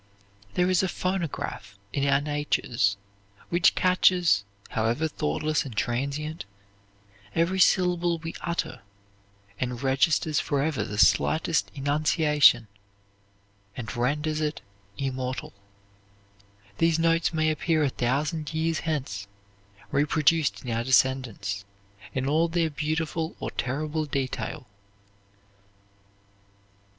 There is a phonograph in our natures which catches, however thoughtless and transient, every syllable we utter, and registers forever the slightest enunciation, and renders it immortal. These notes may appear a thousand years hence, reproduced in our descendants, in all their beautiful or terrible detail.